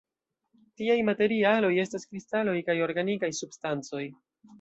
Tiaj materialoj estas kristaloj kaj organikaj substancoj.